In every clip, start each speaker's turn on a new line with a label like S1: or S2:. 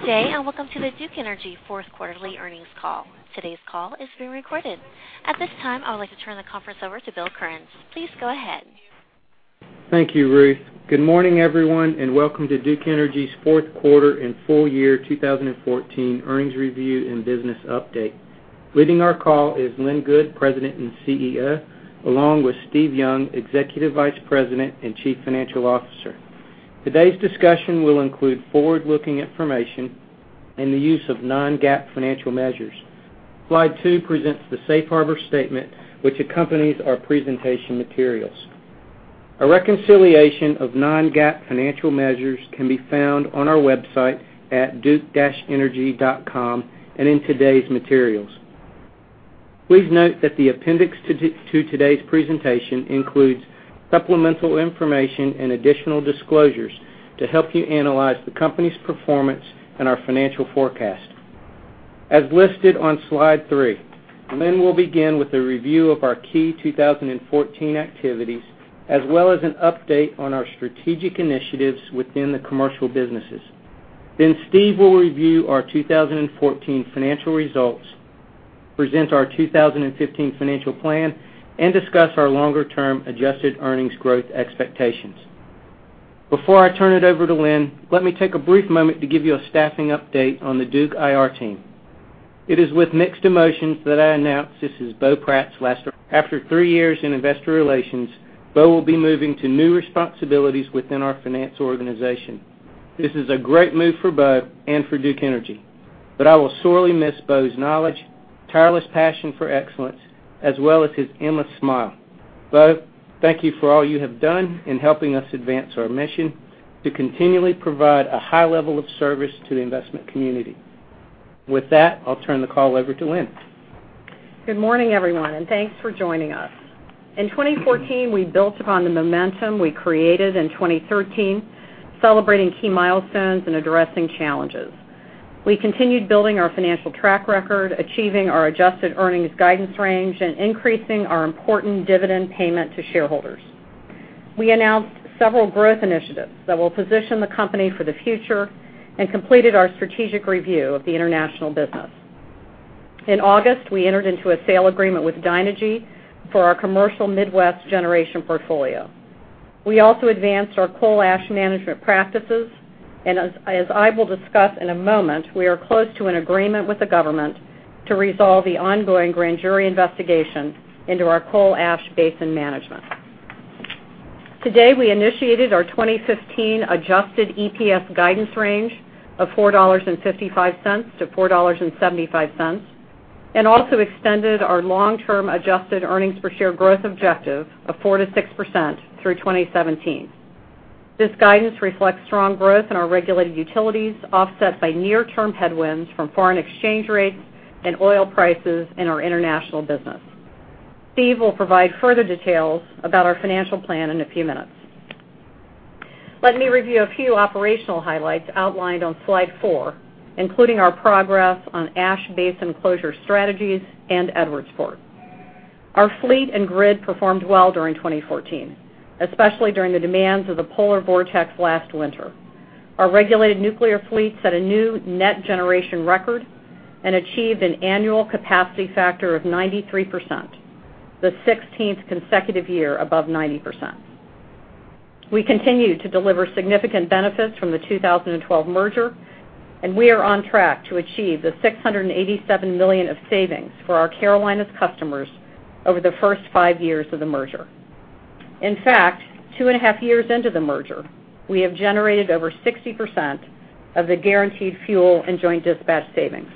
S1: Good day, and welcome to the Duke Energy fourth quarterly earnings call. Today's call is being recorded. At this time, I would like to turn the conference over to Bill Currens. Please go ahead.
S2: Thank you, Ruth. Good morning, everyone, and welcome to Duke Energy's fourth quarter and full year 2014 earnings review and business update. Leading our call is Lynn Good, President and CEO, along with Steve Young, Executive Vice President and Chief Financial Officer. Today's discussion will include forward-looking information and the use of non-GAAP financial measures. Slide two presents the safe harbor statement which accompanies our presentation materials. A reconciliation of non-GAAP financial measures can be found on our website at duke-energy.com and in today's materials. Please note that the appendix to today's presentation includes supplemental information and additional disclosures to help you analyze the company's performance and our financial forecast. As listed on slide three, Lynn will begin with a review of our key 2014 activities, as well as an update on our strategic initiatives within the commercial businesses. Steve will review our 2014 financial results, present our 2015 financial plan, and discuss our longer-term adjusted earnings growth expectations. Before I turn it over to Lynn, let me take a brief moment to give you a staffing update on the Duke IR team. It is with mixed emotions that I announce this is Bo Pratt's. After three years in investor relations, Bo will be moving to new responsibilities within our finance organization. This is a great move for Bo and for Duke Energy. I will sorely miss Bo's knowledge, tireless passion for excellence, as well as his endless smile. Bo, thank you for all you have done in helping us advance our mission to continually provide a high level of service to the investment community. With that, I'll turn the call over to Lynn.
S3: Good morning, everyone, and thanks for joining us. In 2014, we built upon the momentum we created in 2013, celebrating key milestones and addressing challenges. We continued building our financial track record, achieving our adjusted earnings guidance range, and increasing our important dividend payment to shareholders. We announced several growth initiatives that will position the company for the future and completed our strategic review of the international business. In August, we entered into a sale agreement with Dynegy for our commercial Midwest Generation portfolio. We also advanced our coal ash management practices. As I will discuss in a moment, we are close to an agreement with the government to resolve the ongoing grand jury investigation into our coal ash basin management. Today, we initiated our 2015 adjusted EPS guidance range of $4.55-$4.75, and also extended our long-term adjusted earnings per share growth objective of 4%-6% through 2017. This guidance reflects strong growth in our regulated utilities, offset by near-term headwinds from foreign exchange rates and oil prices in our international business. Steve will provide further details about our financial plan in a few minutes. Let me review a few operational highlights outlined on slide four, including our progress on ash basin closure strategies and Edwardsport. Our fleet and grid performed well during 2014, especially during the demands of the polar vortex last winter. Our regulated nuclear fleet set a new net generation record and achieved an annual capacity factor of 93%, the 16th consecutive year above 90%. We continue to deliver significant benefits from the 2012 merger. We are on track to achieve the $687 million of savings for our Carolinas customers over the first five years of the merger. In fact, two and a half years into the merger, we have generated over 60% of the guaranteed fuel and joint dispatch savings.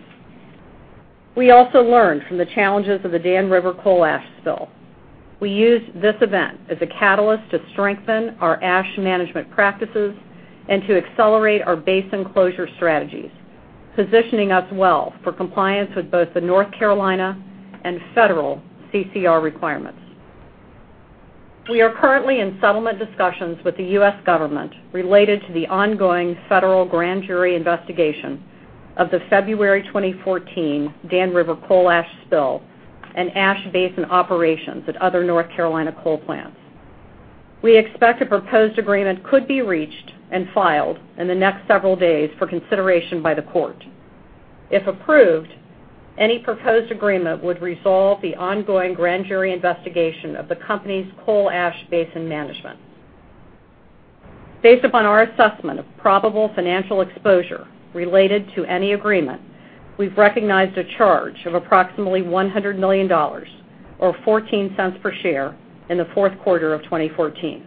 S3: We also learned from the challenges of the Dan River coal ash spill. We used this event as a catalyst to strengthen our ash management practices and to accelerate our basin closure strategies, positioning us well for compliance with both the North Carolina and federal CCR requirements. We are currently in settlement discussions with the U.S. government related to the ongoing federal grand jury investigation of the February 2014 Dan River coal ash spill and ash basin operations at other North Carolina coal plants. We expect a proposed agreement could be reached and filed in the next several days for consideration by the court. If approved, any proposed agreement would resolve the ongoing grand jury investigation of the company's coal ash basin management. Based upon our assessment of probable financial exposure related to any agreement, we've recognized a charge of approximately $100 million, or $0.14 per share in the fourth quarter of 2014.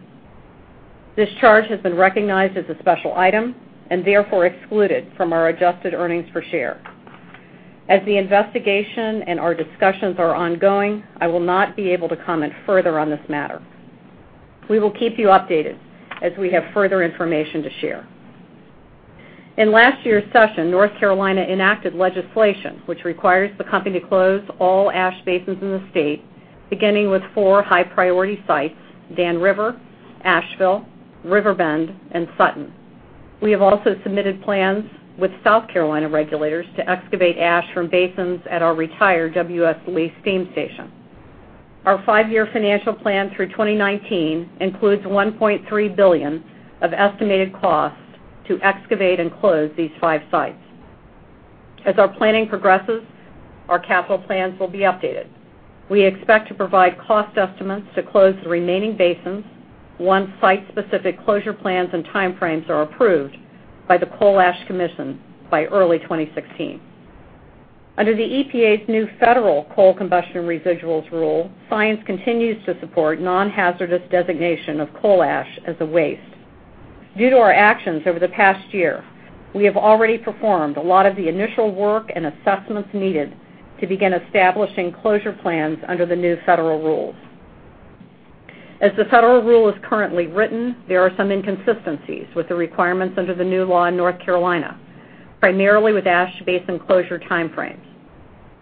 S3: This charge has been recognized as a special item and therefore excluded from our adjusted earnings per share. As the investigation and our discussions are ongoing, I will not be able to comment further on this matter. We will keep you updated as we have further information to share. In last year's session, North Carolina enacted legislation which requires the company to close all ash basins in the state, beginning with four high-priority sites: Dan River, Asheville, Riverbend, and Sutton. We have also submitted plans with South Carolina regulators to excavate ash from basins at our retired W.S. Lee Steam Station. Our five-year financial plan through 2019 includes $1.3 billion of estimated costs to excavate and close these five sites. As our planning progresses, our capital plans will be updated. We expect to provide cost estimates to close the remaining basins once site-specific closure plans and timeframes are approved by the Coal Ash Management Commission by early 2016. Under the EPA's new federal coal combustion residuals rule, science continues to support non-hazardous designation of coal ash as a waste. Due to our actions over the past year, we have already performed a lot of the initial work and assessments needed to begin establishing closure plans under the new federal rules. As the federal rule is currently written, there are some inconsistencies with the requirements under the new law in North Carolina, primarily with ash basin closure timeframes.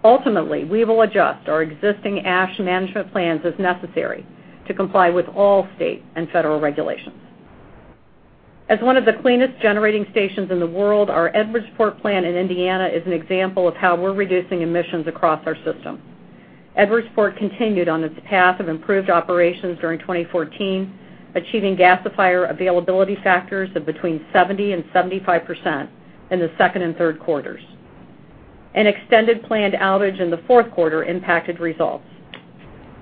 S3: Ultimately, we will adjust our existing ash management plans as necessary to comply with all state and federal regulations. As one of the cleanest generating stations in the world, our Edwardsport plant in Indiana is an example of how we're reducing emissions across our system. Edwardsport continued on its path of improved operations during 2014, achieving gasifier availability factors of between 70% and 75% in the second and third quarters. An extended planned outage in the fourth quarter impacted results.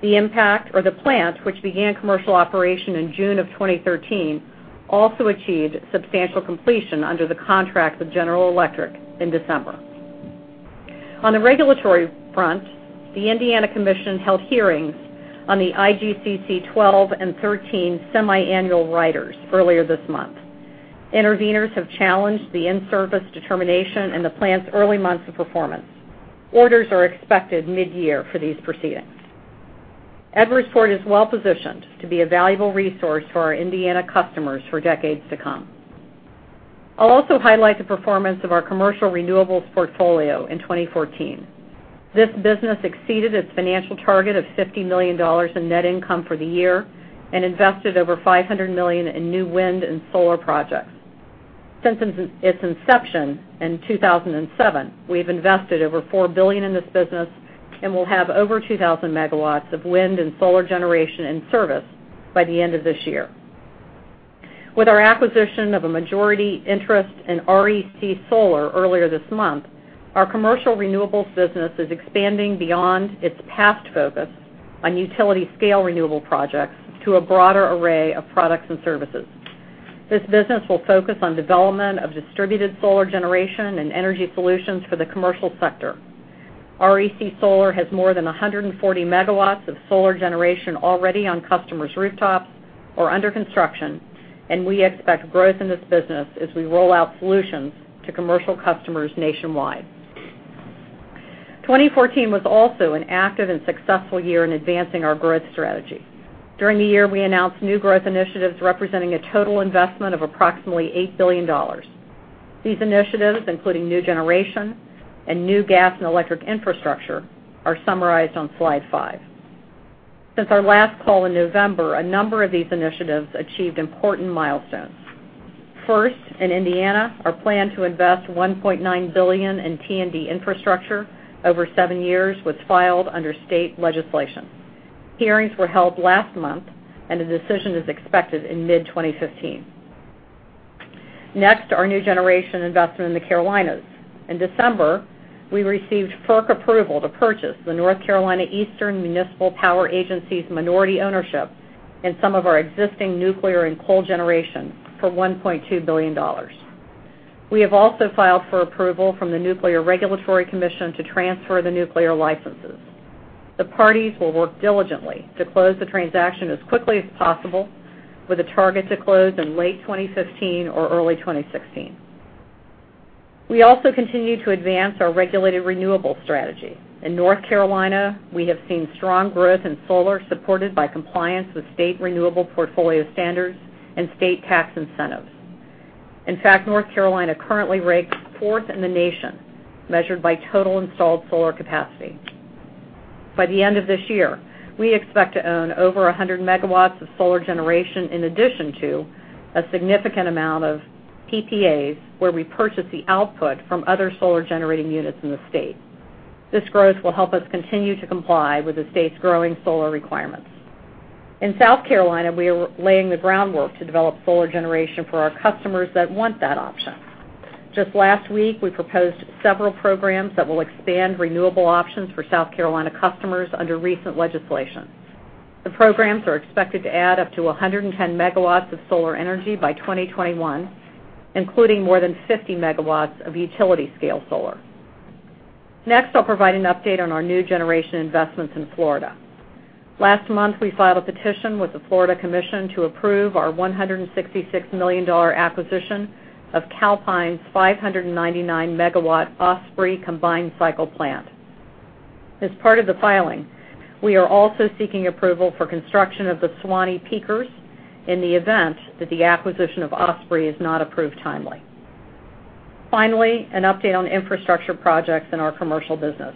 S3: The plant, which began commercial operation in June of 2013, also achieved substantial completion under the contract with General Electric in December. On the regulatory front, the Indiana Commission held hearings on the IGCC 12 and 13 semiannual riders earlier this month. Interveners have challenged the in-service determination in the plant's early months of performance. Orders are expected mid-year for these proceedings. Edwardsport is well-positioned to be a valuable resource for our Indiana customers for decades to come. I'll also highlight the performance of our commercial renewables portfolio in 2014. This business exceeded its financial target of $50 million in net income for the year and invested over $500 million in new wind and solar projects. Since its inception in 2007, we've invested over $4 billion in this business and will have over 2,000 megawatts of wind and solar generation in service by the end of this year. With our acquisition of a majority interest in REC Solar earlier this month, our commercial renewables business is expanding beyond its past focus on utility-scale renewable projects to a broader array of products and services. This business will focus on development of distributed solar generation and energy solutions for the commercial sector. REC Solar has more than 140 megawatts of solar generation already on customers' rooftops or under construction, and we expect growth in this business as we roll out solutions to commercial customers nationwide. 2014 was also an active and successful year in advancing our growth strategy. During the year, we announced new growth initiatives representing a total investment of approximately $8 billion. These initiatives, including new generation and new gas and electric infrastructure, are summarized on slide five. Since our last call in November, a number of these initiatives achieved important milestones. First, in Indiana, our plan to invest $1.9 billion in T&D infrastructure over seven years was filed under state legislation. Hearings were held last month, and a decision is expected in mid-2015. Next, our new generation investment in the Carolinas. In December, we received FERC approval to purchase the North Carolina Eastern Municipal Power Agency's minority ownership in some of our existing nuclear and coal generation for $1.2 billion. We have also filed for approval from the Nuclear Regulatory Commission to transfer the nuclear licenses. The parties will work diligently to close the transaction as quickly as possible with a target to close in late 2015 or early 2016. We also continue to advance our regulated renewables strategy. In North Carolina, we have seen strong growth in solar, supported by compliance with state renewable portfolio standards and state tax incentives. In fact, North Carolina currently ranks fourth in the nation, measured by total installed solar capacity. By the end of this year, we expect to own over 100 megawatts of solar generation, in addition to a significant amount of PPAs, where we purchase the output from other solar-generating units in the state. This growth will help us continue to comply with the state's growing solar requirements. In South Carolina, we are laying the groundwork to develop solar generation for our customers that want that option. Just last week, we proposed several programs that will expand renewable options for South Carolina customers under recent legislation. The programs are expected to add up to 110 megawatts of solar energy by 2021, including more than 50 megawatts of utility-scale solar. Next, I'll provide an update on our new generation investments in Florida. Last month, we filed a petition with the Florida Commission to approve our $166 million acquisition of Calpine's 599-megawatt Osprey combined cycle plant. As part of the filing, we are also seeking approval for construction of the Suwannee Peakers in the event that the acquisition of Osprey is not approved timely. Finally, an update on infrastructure projects in our commercial business.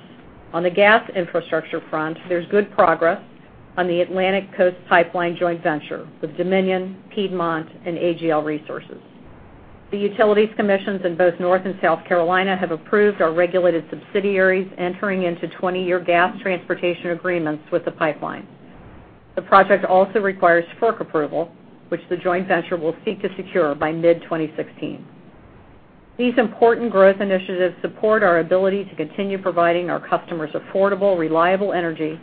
S3: On the gas infrastructure front, there's good progress on the Atlantic Coast Pipeline joint venture with Dominion, Piedmont, and AGL Resources. The utilities commissions in both North and South Carolina have approved our regulated subsidiaries entering into 20-year gas transportation agreements with the pipeline. The project also requires FERC approval, which the joint venture will seek to secure by mid-2016. These important growth initiatives support our ability to continue providing our customers affordable, reliable energy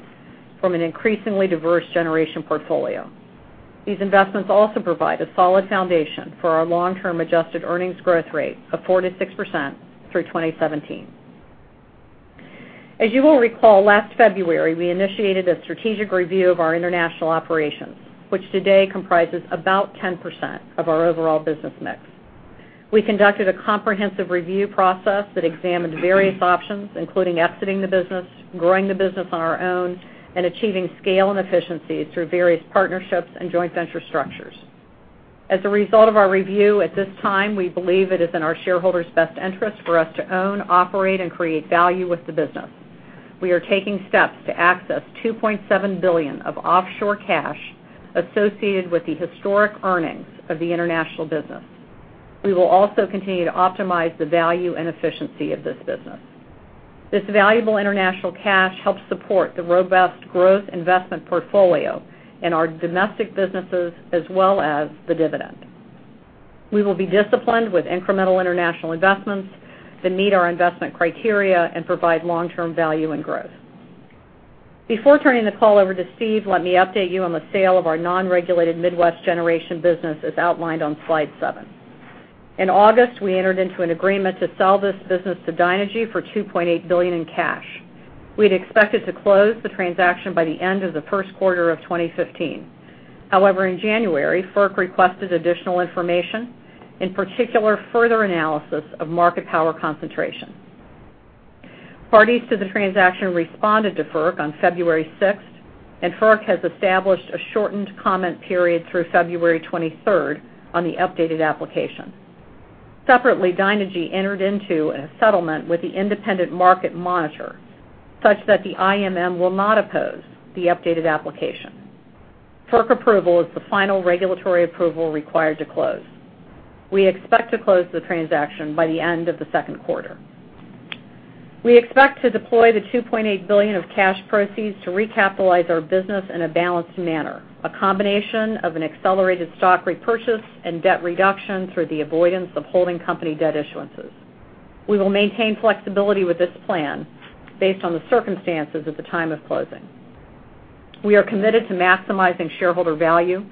S3: from an increasingly diverse generation portfolio. These investments also provide a solid foundation for our long-term adjusted earnings growth rate of 4%-6% through 2017. As you will recall, last February, we initiated a strategic review of our international operations, which today comprises about 10% of our overall business mix. We conducted a comprehensive review process that examined various options, including exiting the business, growing the business on our own, and achieving scale and efficiency through various partnerships and joint venture structures. As a result of our review, at this time, we believe it is in our shareholders' best interest for us to own, operate, and create value with the business. We are taking steps to access $2.7 billion of offshore cash associated with the historic earnings of the international business. We will also continue to optimize the value and efficiency of this business. This valuable international cash helps support the robust growth investment portfolio in our domestic businesses, as well as the dividend. We will be disciplined with incremental international investments that meet our investment criteria and provide long-term value and growth. Before turning the call over to Steve, let me update you on the sale of our non-regulated Midwest Generation business as outlined on slide seven. In August, we entered into an agreement to sell this business to Dynegy for $2.8 billion in cash. We'd expected to close the transaction by the end of the first quarter of 2015. However, in January, FERC requested additional information, in particular, further analysis of market power concentration. Parties to the transaction responded to FERC on February 6th, and FERC has established a shortened comment period through February 23rd on the updated application. Separately, Dynegy entered into a settlement with the Independent Market Monitor, such that the IMM will not oppose the updated application. FERC approval is the final regulatory approval required to close. We expect to close the transaction by the end of the second quarter. We expect to deploy the $2.8 billion of cash proceeds to recapitalize our business in a balanced manner, a combination of an accelerated stock repurchase and debt reduction through the avoidance of holding company debt issuances. We will maintain flexibility with this plan based on the circumstances at the time of closing. We are committed to maximizing shareholder value,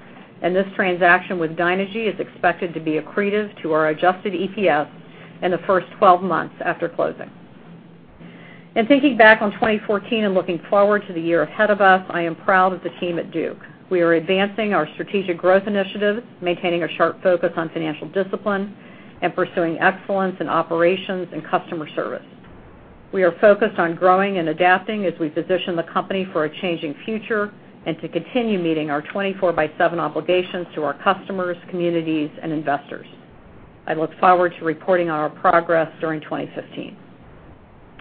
S3: and this transaction with Dynegy is expected to be accretive to our adjusted EPS in the first 12 months after closing. In thinking back on 2014 and looking forward to the year ahead of us, I am proud of the team at Duke. We are advancing our strategic growth initiatives, maintaining a sharp focus on financial discipline, and pursuing excellence in operations and customer service. We are focused on growing and adapting as we position the company for a changing future and to continue meeting our 24/7 obligations to our customers, communities, and investors. I look forward to reporting on our progress during 2015.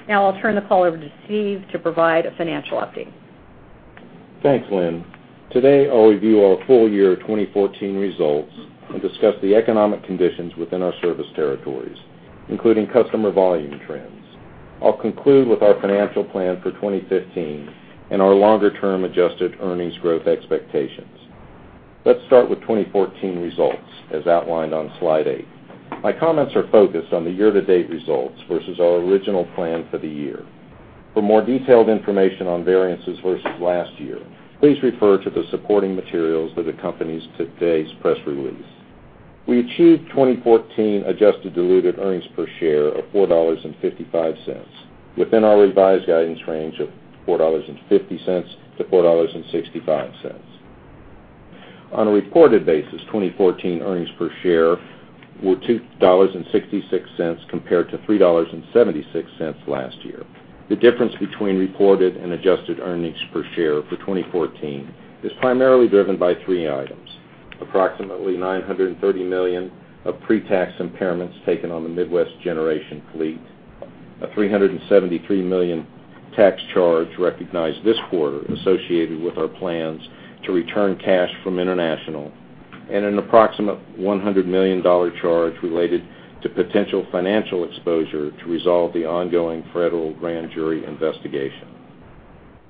S3: I'll turn the call over to Steve to provide a financial update.
S4: Thanks, Lynn. Today, I'll review our full year 2014 results and discuss the economic conditions within our service territories, including customer volume trends. I'll conclude with our financial plan for 2015 and our longer-term adjusted earnings growth expectations. Let's start with 2014 results, as outlined on slide eight. My comments are focused on the year-to-date results versus our original plan for the year. For more detailed information on variances versus last year, please refer to the supporting materials that accompanies today's press release. We achieved 2014 adjusted diluted earnings per share of $4.55 within our revised guidance range of $4.50 to $4.65. On a reported basis, 2014 earnings per share were $2.66 compared to $3.76 last year. The difference between reported and adjusted earnings per share for 2014 is primarily driven by three items: approximately $930 million of pre-tax impairments taken on the Midwest Generation fleet, a $373 million tax charge recognized this quarter associated with our plans to return cash from international, and an approximate $100 million charge related to potential financial exposure to resolve the ongoing federal grand jury investigation.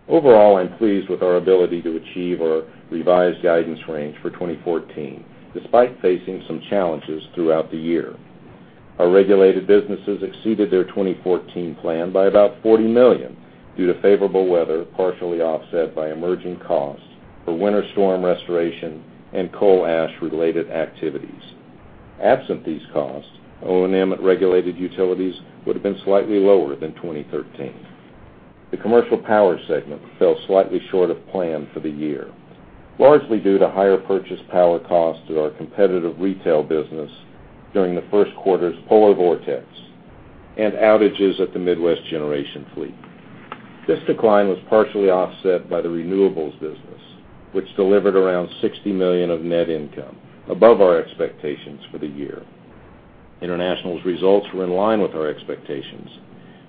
S4: Overall, I'm pleased with our ability to achieve our revised guidance range for 2014, despite facing some challenges throughout the year. Our regulated businesses exceeded their 2014 plan by about $40 million due to favorable weather, partially offset by emerging costs for winter storm restoration and coal ash-related activities. Absent these costs, O&M at regulated utilities would've been slightly lower than 2013. The commercial power segment fell slightly short of plan for the year, largely due to higher purchase power costs to our competitive retail business during the first quarter's polar vortex and outages at the Midwest Generation fleet. This decline was partially offset by the renewables business, which delivered around $60 million of net income above our expectations for the year. International's results were in line with our expectations.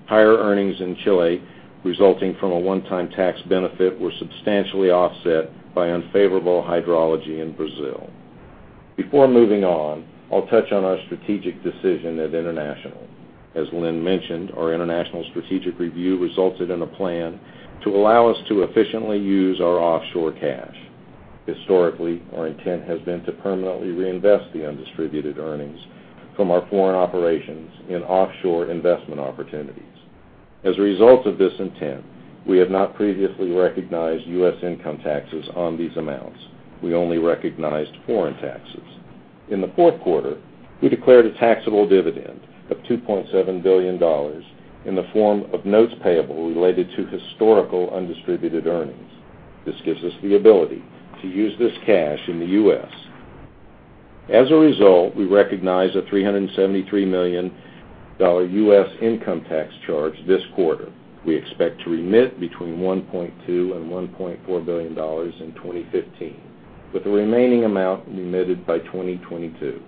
S4: Higher earnings in Chile resulting from a one-time tax benefit were substantially offset by unfavorable hydrology in Brazil. Before moving on, I'll touch on our strategic decision at International. As Lynn mentioned, our international strategic review resulted in a plan to allow us to efficiently use our offshore cash. Historically, our intent has been to permanently reinvest the undistributed earnings from our foreign operations in offshore investment opportunities. As a result of this intent, we have not previously recognized U.S. income taxes on these amounts. We only recognized foreign taxes. In the fourth quarter, we declared a taxable dividend of $2.7 billion in the form of notes payable related to historical undistributed earnings. This gives us the ability to use this cash in the U.S. As a result, we recognize a $373 million U.S. income tax charge this quarter. We expect to remit between $1.2 billion and $1.4 billion in 2015, with the remaining amount remitted by 2022.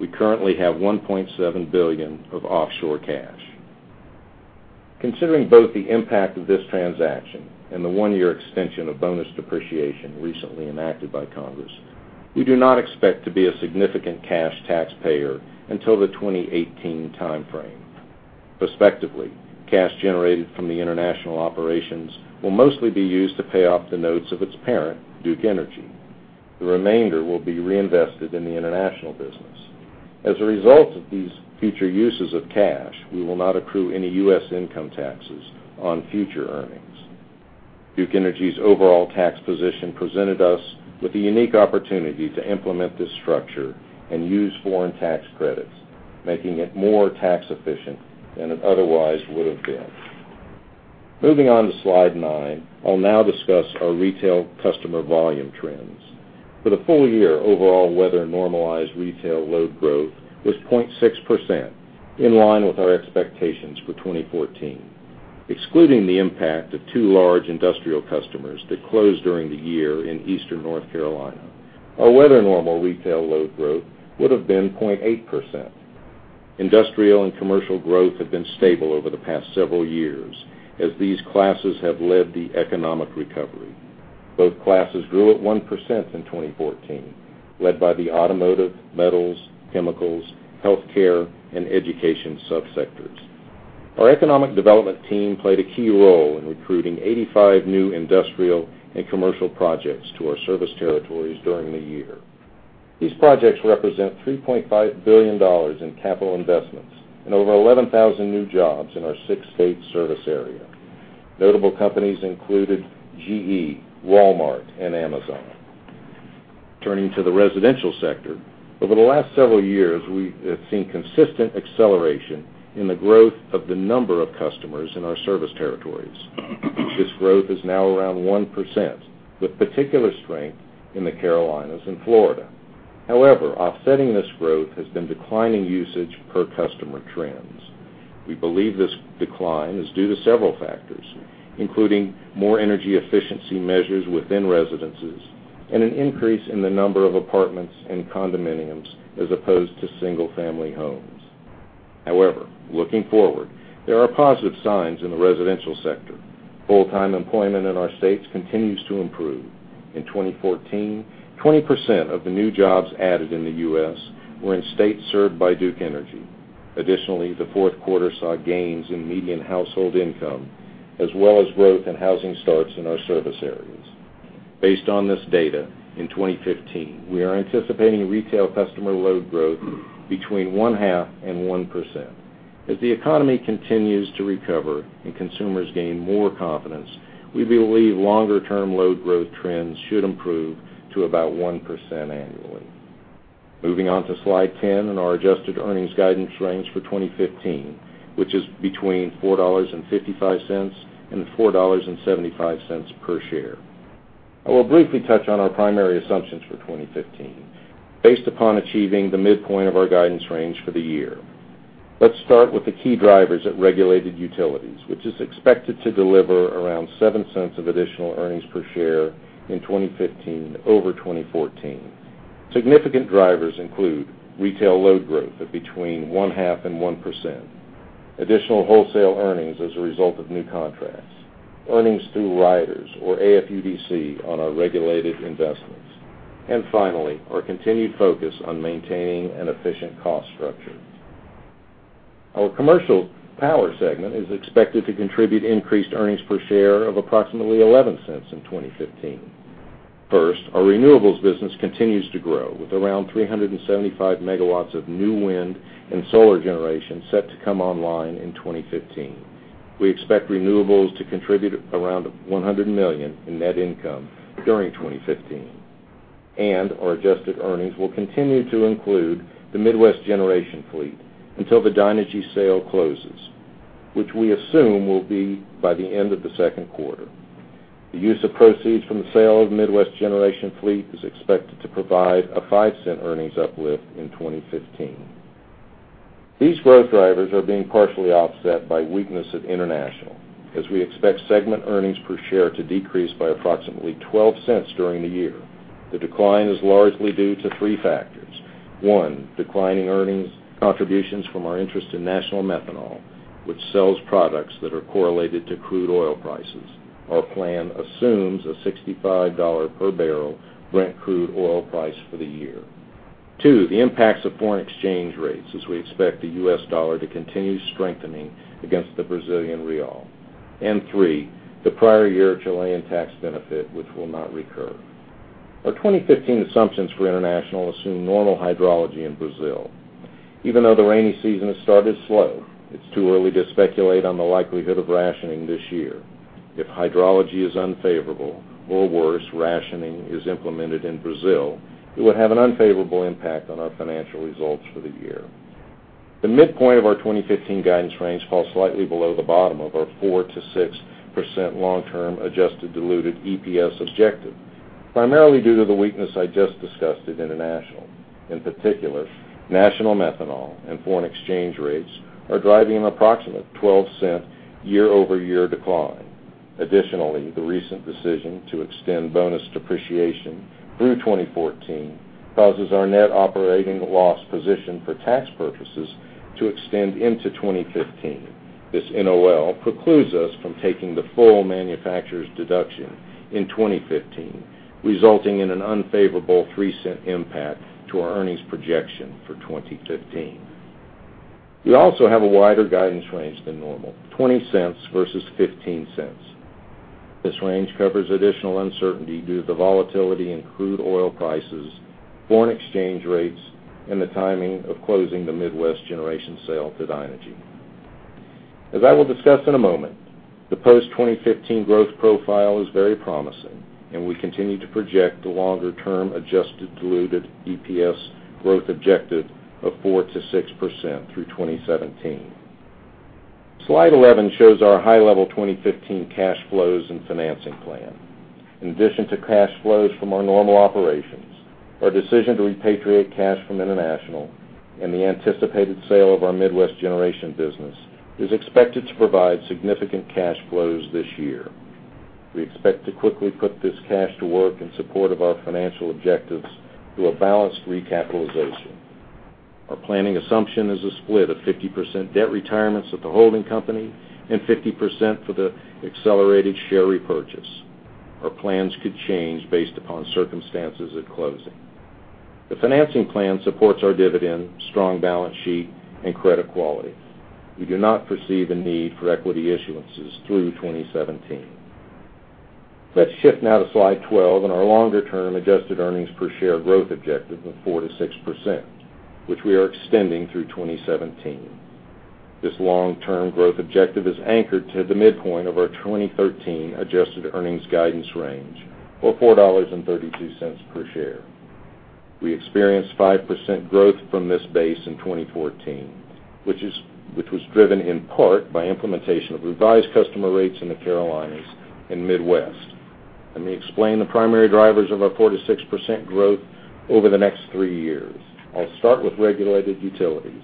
S4: We currently have $1.7 billion of offshore cash. Considering both the impact of this transaction and the one-year extension of bonus depreciation recently enacted by Congress, we do not expect to be a significant cash taxpayer until the 2018 timeframe. Prospectively, cash generated from the international operations will mostly be used to pay off the notes of its parent, Duke Energy. The remainder will be reinvested in the international business. As a result of these future uses of cash, we will not accrue any U.S. income taxes on future earnings. Duke Energy's overall tax position presented us with the unique opportunity to implement this structure and use foreign tax credits, making it more tax efficient than it otherwise would've been. Moving on to slide nine, I'll now discuss our retail customer volume trends. For the full year, overall weather-normalized retail load growth was 0.6%, in line with our expectations for 2014. Excluding the impact of two large industrial customers that closed during the year in eastern North Carolina, our weather normal retail load growth would've been 0.8%. Industrial and commercial growth have been stable over the past several years as these classes have led the economic recovery. Both classes grew at 1% in 2014, led by the automotive, metals, chemicals, healthcare, and education sub-sectors. Our economic development team played a key role in recruiting 85 new industrial and commercial projects to our service territories during the year. These projects represent $3.5 billion in capital investments and over 11,000 new jobs in our six-state service area. Notable companies included GE, Walmart, and Amazon. Turning to the residential sector, over the last several years, we have seen consistent acceleration in the growth of the number of customers in our service territories. This growth is now around 1%, with particular strength in the Carolinas and Florida. However, offsetting this growth has been declining usage per customer trends. We believe this decline is due to several factors, including more energy efficiency measures within residences and an increase in the number of apartments and condominiums as opposed to single-family homes. However, looking forward, there are positive signs in the residential sector. Full-time employment in our states continues to improve. In 2014, 20% of the new jobs added in the U.S. were in states served by Duke Energy. Additionally, the fourth quarter saw gains in median household income, as well as growth in housing starts in our service areas. Based on this data, in 2015, we are anticipating retail customer load growth between one-half and 1%. As the economy continues to recover and consumers gain more confidence, we believe longer-term load growth trends should improve to about 1% annually. Moving on to slide 10 and our adjusted earnings guidance range for 2015, which is between $4.55 and $4.75 per share. I will briefly touch on our primary assumptions for 2015, based upon achieving the midpoint of our guidance range for the year. Let's start with the key drivers at regulated utilities, which is expected to deliver around $0.07 of additional earnings per share in 2015 over 2014. Significant drivers include retail load growth of between one-half and 1%, additional wholesale earnings as a result of new contracts, earnings through riders or AFUDC on our regulated investments, and finally, our continued focus on maintaining an efficient cost structure. Our commercial power segment is expected to contribute increased earnings per share of approximately $0.11 in 2015. First, our renewables business continues to grow with around 375 megawatts of new wind and solar generation set to come online in 2015. We expect renewables to contribute around $100 million in net income during 2015, and our adjusted earnings will continue to include the Midwest Generation fleet until the Dynegy sale closes, which we assume will be by the end of the second quarter. The use of proceeds from the sale of the Midwest Generation fleet is expected to provide a $0.05 earnings uplift in 2015. These growth drivers are being partially offset by weakness at International, as we expect segment earnings per share to decrease by approximately $0.12 during the year. The decline is largely due to three factors. One, declining earnings contributions from our interest in National Methanol, which sells products that are correlated to crude oil prices. Our plan assumes a $65 per barrel Brent crude oil price for the year. Two, the impacts of foreign exchange rates as we expect the U.S. dollar to continue strengthening against the Brazilian real. Three, the prior year Chilean tax benefit, which will not recur. Our 2015 assumptions for international assume normal hydrology in Brazil. Even though the rainy season has started slow, it's too early to speculate on the likelihood of rationing this year. If hydrology is unfavorable or worse, rationing is implemented in Brazil, it would have an unfavorable impact on our financial results for the year. The midpoint of our 2015 guidance range falls slightly below the bottom of our 4%-6% long-term adjusted diluted EPS objective, primarily due to the weakness I just discussed in international. In particular, National Methanol and foreign exchange rates are driving an approximate $0.12 year-over-year decline. Additionally, the recent decision to extend bonus depreciation through 2014 causes our net operating loss position for tax purposes to extend into 2015. This NOL precludes us from taking the full manufacturer's deduction in 2015, resulting in an unfavorable $0.03 impact to our earnings projection for 2015. We also have a wider guidance range than normal, $0.20 versus $0.15. This range covers additional uncertainty due to the volatility in crude oil prices, foreign exchange rates, and the timing of closing the Midwest Generation sale to Dynegy. As I will discuss in a moment, the post-2015 growth profile is very promising, and we continue to project the longer-term adjusted diluted EPS growth objective of 4%-6% through 2017. Slide 11 shows our high-level 2015 cash flows and financing plan. In addition to cash flows from our normal operations, our decision to repatriate cash from international and the anticipated sale of our Midwest Generation business is expected to provide significant cash flows this year. We expect to quickly put this cash to work in support of our financial objectives through a balanced recapitalization. Our planning assumption is a split of 50% debt retirements at the holding company and 50% for the accelerated share repurchase. Our plans could change based upon circumstances at closing. The financing plan supports our dividend, strong balance sheet, and credit quality. We do not foresee the need for equity issuances through 2017. Let's shift now to Slide 12 and our longer-term adjusted earnings per share growth objective of 4%-6%, which we are extending through 2017. This long-term growth objective is anchored to the midpoint of our 2013 adjusted earnings guidance range, or $4.32 per share. We experienced 5% growth from this base in 2014, which was driven in part by implementation of revised customer rates in the Carolinas and Midwest. Let me explain the primary drivers of our 4%-6% growth over the next three years. I'll start with regulated utilities.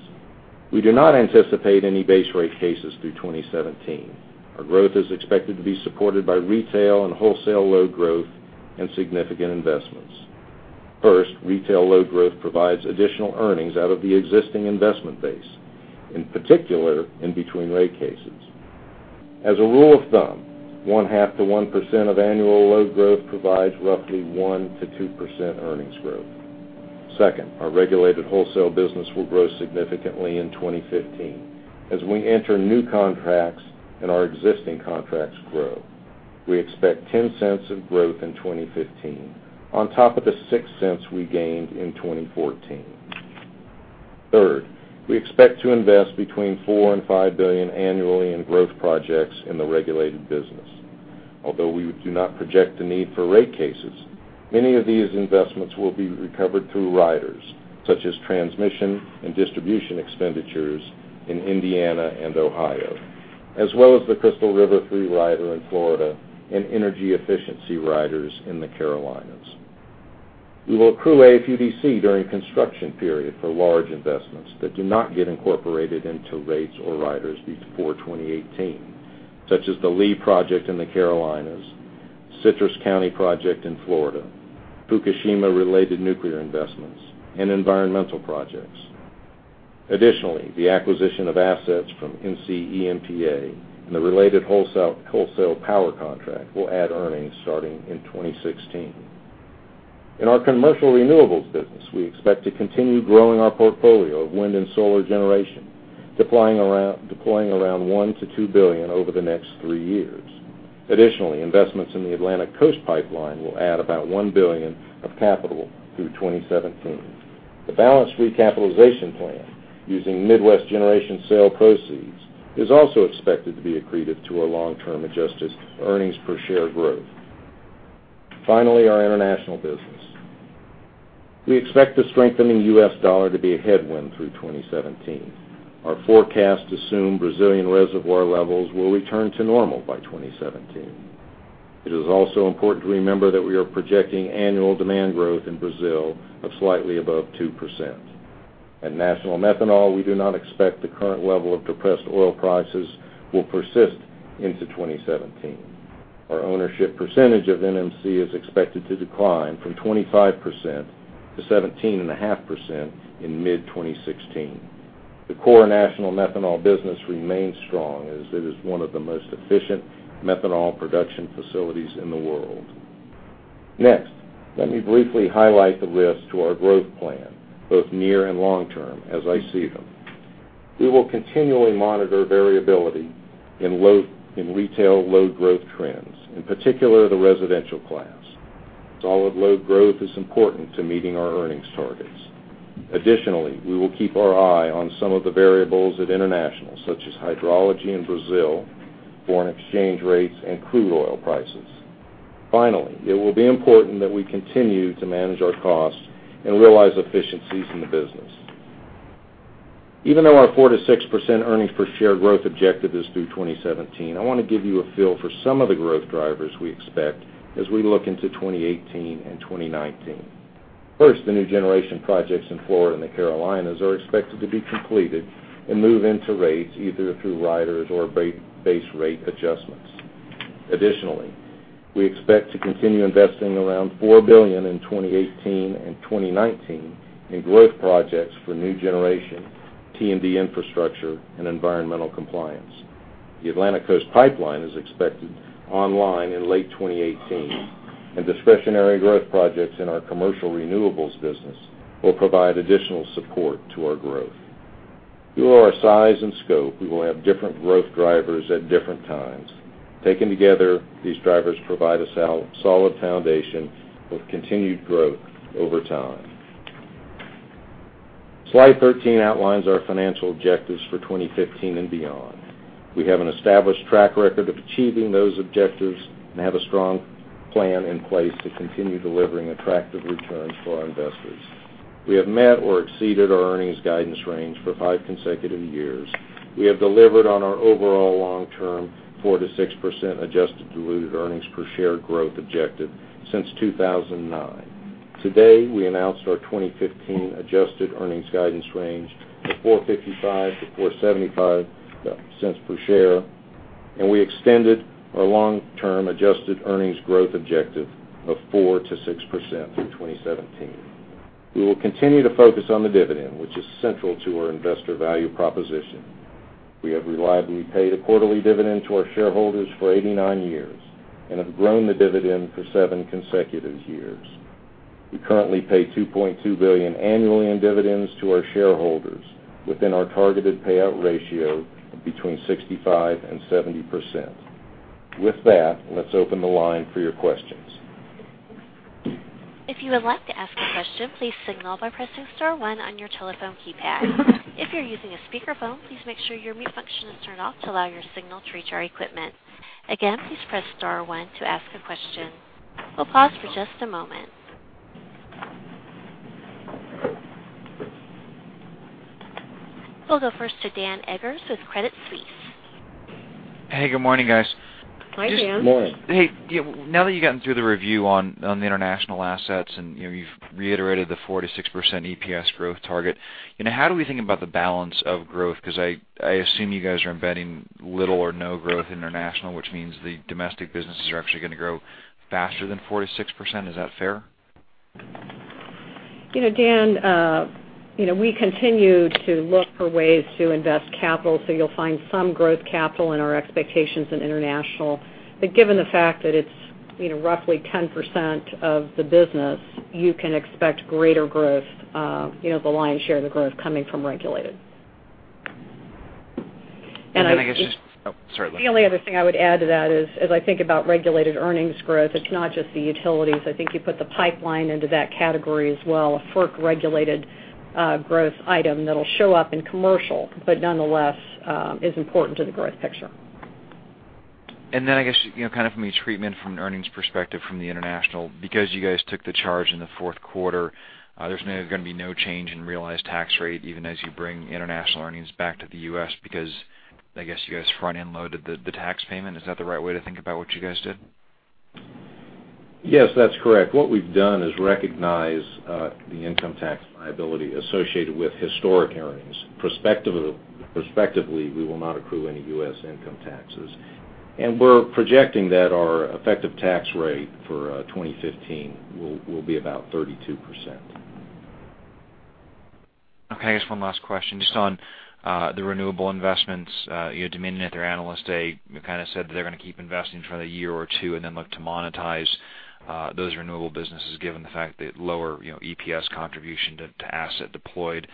S4: We do not anticipate any base rate cases through 2017. Our growth is expected to be supported by retail and wholesale load growth and significant investments. First, retail load growth provides additional earnings out of the existing investment base, in particular, in between rate cases. As a rule of thumb, one-half to 1% of annual load growth provides roughly 1%-2% earnings growth. Second, our regulated wholesale business will grow significantly in 2015 as we enter new contracts and our existing contracts grow. We expect $0.10 of growth in 2015 on top of the $0.06 we gained in 2014. Third, we expect to invest between $4 billion and $5 billion annually in growth projects in the regulated business. Although we do not project the need for rate cases, many of these investments will be recovered through riders, such as transmission and distribution expenditures in Indiana and Ohio, as well as the Crystal River 3 rider in Florida and energy efficiency riders in the Carolinas. We will accrue AFUDC during construction period for large investments that do not get incorporated into rates or riders before 2018, such as the Lee project in the Carolinas, Citrus County project in Florida, Fukushima-related nuclear investments, and environmental projects. Additionally, the acquisition of assets from NCEMPA and the related wholesale power contract will add earnings starting in 2016. In our commercial renewables business, we expect to continue growing our portfolio of wind and solar generation, deploying around $1 billion-$2 billion over the next three years. Additionally, investments in the Atlantic Coast Pipeline will add about $1 billion of capital through 2017. The balanced recapitalization plan using Midwest Generation sale proceeds is also expected to be accretive to our long-term adjusted earnings per share growth. Finally, our international business. We expect the strengthening US dollar to be a headwind through 2017. Our forecasts assume Brazilian reservoir levels will return to normal by 2017. It is also important to remember that we are projecting annual demand growth in Brazil of slightly above 2%. At National Methanol, we do not expect the current level of depressed oil prices will persist into 2017. Our ownership percentage of NMC is expected to decline from 25% to 17.5% in mid-2016. The core National Methanol business remains strong as it is one of the most efficient methanol production facilities in the world. Next, let me briefly highlight the risks to our growth plan, both near and long-term, as I see them. We will continually monitor variability in retail load growth trends, in particular the residential class. Solid load growth is important to meeting our earnings targets. Additionally, we will keep our eye on some of the variables at international, such as hydrology in Brazil, foreign exchange rates, and crude oil prices. Finally, it will be important that we continue to manage our costs and realize efficiencies in the business. Even though our 4%-6% earnings per share growth objective is through 2017, I want to give you a feel for some of the growth drivers we expect as we look into 2018 and 2019. First, the new generation projects in Florida and the Carolinas are expected to be completed and move into rates either through riders or base rate adjustments. We expect to continue investing around $4 billion in 2018 and 2019 in growth projects for new generation T&D infrastructure and environmental compliance. The Atlantic Coast Pipeline is expected online in late 2018, and discretionary growth projects in our commercial renewables business will provide additional support to our growth. Due to our size and scope, we will have different growth drivers at different times. Taken together, these drivers provide a solid foundation of continued growth over time. Slide 13 outlines our financial objectives for 2015 and beyond. We have an established track record of achieving those objectives and have a strong plan in place to continue delivering attractive returns for our investors. We have met or exceeded our earnings guidance range for five consecutive years. We have delivered on our overall long-term 4%-6% adjusted diluted earnings per share growth objective since 2009. Today, we announced our 2015 adjusted earnings guidance range of $4.55 to $4.75 cents per share, and we extended our long-term adjusted earnings growth objective of 4%-6% through 2017. We will continue to focus on the dividend, which is central to our investor value proposition. We have reliably paid a quarterly dividend to our shareholders for 89 years and have grown the dividend for seven consecutive years. We currently pay $2.2 billion annually in dividends to our shareholders within our targeted payout ratio of between 65% and 70%. With that, let's open the line for your questions.
S1: If you would like to ask a question, please signal by pressing star one on your telephone keypad. If you're using a speakerphone, please make sure your mute function is turned off to allow your signal to reach our equipment. Again, please press star one to ask a question. We'll pause for just a moment. We'll go first to Daniel Eggers with Credit Suisse.
S5: Hey, good morning, guys.
S3: Morning, Dan.
S4: Morning.
S5: Hey, now that you've gotten through the review on the international assets and you've reiterated the 4%-6% EPS growth target, how do we think about the balance of growth? I assume you guys are embedding little or no growth international, which means the domestic businesses are actually going to grow faster than 4%-6%. Is that fair?
S3: Dan, we continue to look for ways to invest capital, so you'll find some growth capital in our expectations in international. Given the fact that it's roughly 10% of the business, you can expect the lion's share of the growth coming from regulated.
S5: I guess oh, sorry.
S3: The only other thing I would add to that is, as I think about regulated earnings growth, it's not just the utilities. I think you put the pipeline into that category as well, a FERC-regulated growth item that'll show up in commercial, but nonetheless, is important to the growth picture.
S5: I guess, from a treatment from an earnings perspective from the international, because you guys took the charge in the fourth quarter, there's going to be no change in realized tax rate even as you bring international earnings back to the U.S. because I guess you guys front-end loaded the tax payment. Is that the right way to think about what you guys did?
S4: Yes, that's correct. What we've done is recognize the income tax liability associated with historic earnings. Prospectively, we will not accrue any U.S. income taxes. We're projecting that our effective tax rate for 2015 will be about 32%.
S5: Okay. I guess one last question, just on the renewable investments. Dominion, at their Analyst Day, kind of said that they're going to keep investing for another year or two and then look to monetize those renewable businesses, given the fact that lower EPS contribution to asset deployed.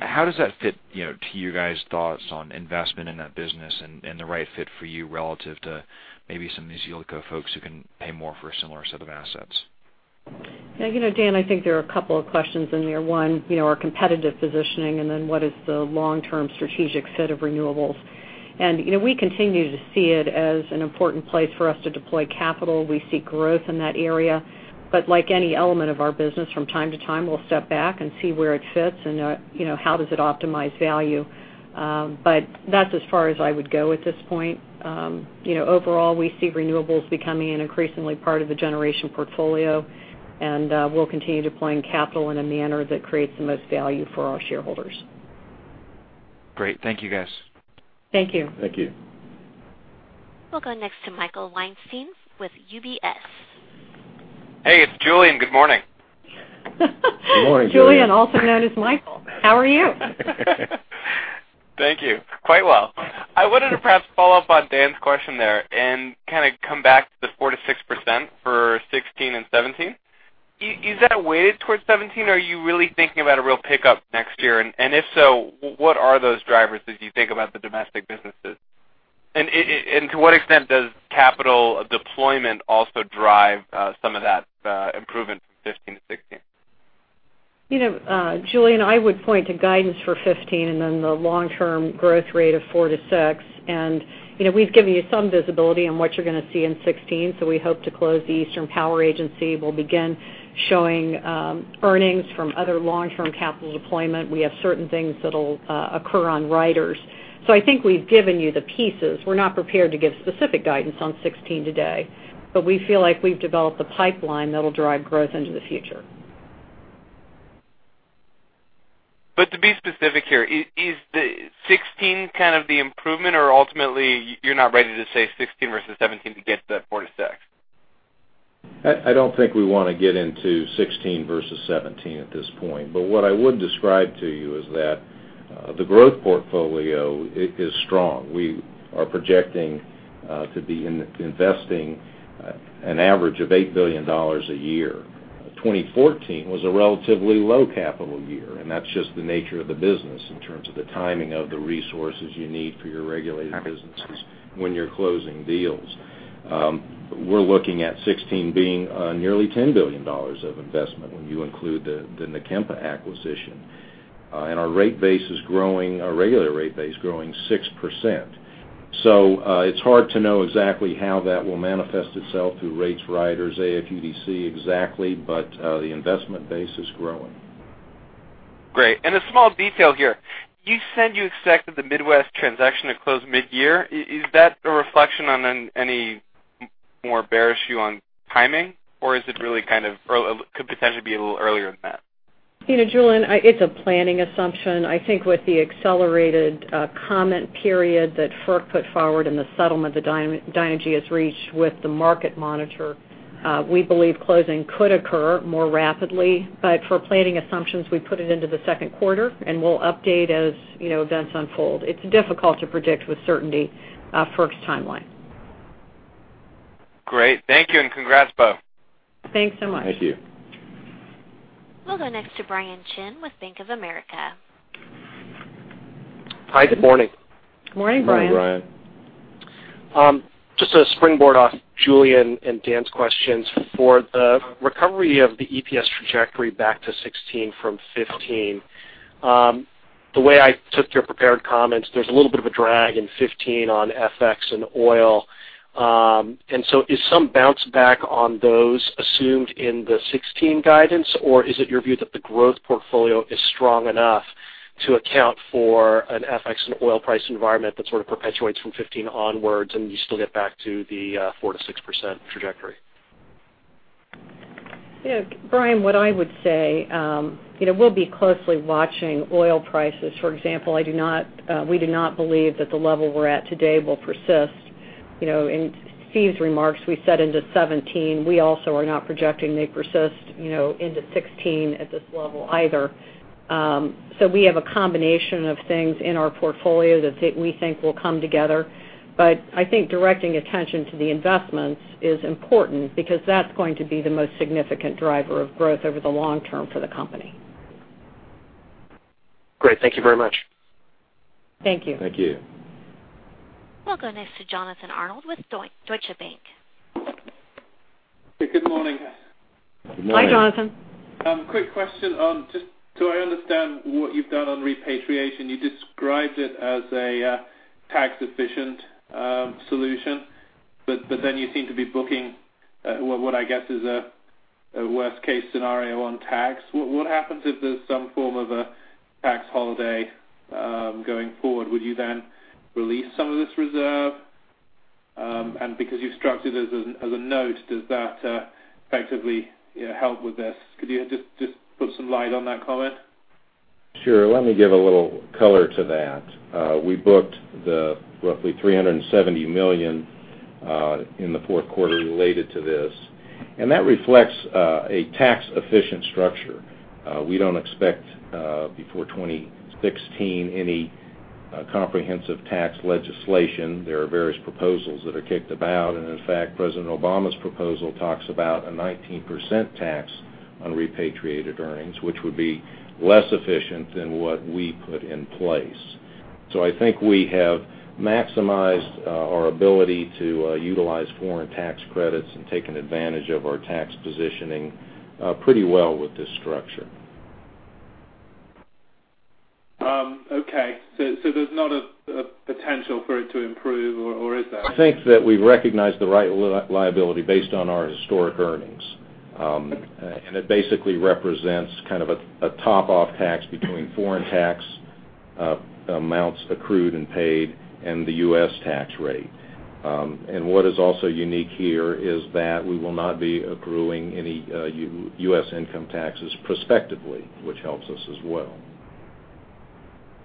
S5: How does that fit to your guys' thoughts on investment in that business and the right fit for you relative to maybe some of these yieldco folks who can pay more for a similar set of assets?
S3: Dan, I think there are a couple of questions in there. One, our competitive positioning, then what is the long-term strategic set of renewables. We continue to see it as an important place for us to deploy capital. We see growth in that area, but like any element of our business, from time to time, we'll step back and see where it fits and how does it optimize value. That's as far as I would go at this point. Overall, we see renewables becoming an increasingly part of the generation portfolio, we'll continue deploying capital in a manner that creates the most value for our shareholders.
S6: Great. Thank you, guys.
S3: Thank you.
S6: Thank you.
S1: We'll go next to Michael Weinstein with UBS.
S7: Hey, it's Julien. Good morning.
S8: Good morning, Julien.
S3: Julien, also known as Michael. How are you?
S7: Thank you. Quite well. I wanted to perhaps follow up on Dan's question there and kind of come back to the 4%-6% for 2016 and 2017. Is that weighted towards 2017, or are you really thinking about a real pickup next year? If so, what are those drivers as you think about the domestic businesses? To what extent does capital deployment also drive some of that improvement from 2015 to 2016?
S3: Julien, I would point to guidance for 2015 and then the long-term growth rate of 4%-6%. We've given you some visibility on what you're going to see in 2016. We hope to close the Eastern Power Agency. We'll begin showing earnings from other long-term capital deployment. We have certain things that'll occur on riders. I think we've given you the pieces. We're not prepared to give specific guidance on 2016 today. We feel like we've developed a pipeline that'll drive growth into the future.
S7: To be specific here, is 2016 kind of the improvement or ultimately, you're not ready to say 2016 versus 2017 to get to that 4%-6%?
S4: I don't think we want to get into 2016 versus 2017 at this point. What I would describe to you is that the growth portfolio is strong. We are projecting to be investing an average of $8 billion a year. 2014 was a relatively low capital year, and that's just the nature of the business in terms of the timing of the resources you need for your regulated businesses when you're closing deals. We're looking at 2016 being nearly $10 billion of investment when you include the NCEMPA acquisition. Our regular rate base is growing 6%. It's hard to know exactly how that will manifest itself through rates riders, AFUDC exactly, but the investment base is growing.
S7: Great. A small detail here. You said you expect that the Midwest transaction to close mid-year. Is that a reflection on any more bearish view on timing, or could potentially be a little earlier than that?
S3: Julien, it's a planning assumption. I think with the accelerated comment period that FERC put forward and the settlement that Dynegy has reached with the Market Monitor, we believe closing could occur more rapidly. For planning assumptions, we put it into the second quarter, and we'll update as events unfold. It's difficult to predict with certainty FERC's timeline.
S7: Great. Thank you, and congrats, both.
S3: Thanks so much.
S4: Thank you.
S1: We'll go next to Brian Chin with Bank of America.
S9: Hi, good morning.
S3: Good morning, Brian.
S4: Good morning, Brian.
S9: Just to springboard off Julien and Dan's questions. For the recovery of the EPS trajectory back to 2016 from 2015, the way I took your prepared comments, there's a little bit of a drag in 2015 on FX and oil. Is some bounce back on those assumed in the 2016 guidance, or is it your view that the growth portfolio is strong enough to account for an FX and oil price environment that sort of perpetuates from 2015 onwards, and you still get back to the 4% to 6% trajectory?
S3: Brian, what I would say, we'll be closely watching oil prices, for example. We do not believe that the level we're at today will persist. In Steve's remarks, we said into 2017. We also are not projecting they persist into 2016 at this level either. We have a combination of things in our portfolio that we think will come together. I think directing attention to the investments is important because that's going to be the most significant driver of growth over the long term for the company.
S9: Great. Thank you very much.
S3: Thank you.
S4: Thank you.
S1: We'll go next to Jonathan Arnold with Deutsche Bank.
S6: Good morning.
S4: Good morning.
S3: Hi, Jonathan.
S6: Quick question on just so I understand what you've done on repatriation. You described it as a tax-efficient solution. You seem to be booking what I guess is a worst-case scenario on tax. What happens if there's some form of a tax holiday going forward? Would you then release some of this reserve? Because you've structured it as a note, does that effectively help with this? Could you just put some light on that comment?
S4: Sure. Let me give a little color to that. We booked the roughly $370 million in the fourth quarter related to this, and that reflects a tax-efficient structure. We don't expect before 2016 any comprehensive tax legislation. There are various proposals that are kicked about, and in fact, President Obama's proposal talks about a 19% tax on repatriated earnings, which would be less efficient than what we put in place. I think we have maximized our ability to utilize foreign tax credits and taken advantage of our tax positioning pretty well with this structure.
S6: Okay. There's not a potential for it to improve, or is there?
S4: I think that we've recognized the right liability based on our historic earnings. It basically represents kind of a top-off tax between foreign tax amounts accrued and paid and the U.S. tax rate. What is also unique here is that we will not be accruing any U.S. income taxes prospectively, which helps us as well.